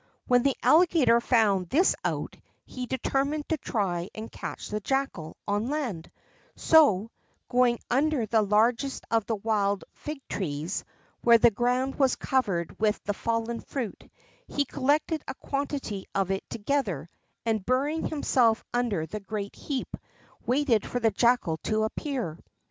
When the Alligator found this out, he determined to try and catch the Jackal on land; so, going under the largest of the wild fig trees, where the ground was covered with the fallen fruit, he collected a quantity of it together, and, burying himself under the great heap, waited for the Jackal to appear.